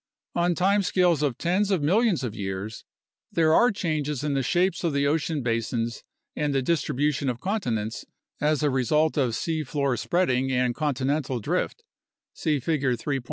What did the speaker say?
On time scales of tens of millions of years there are changes in the shapes of the ocean basins and the distribution of continents as a result of sea floor spreading and continental drift (see Figure 3.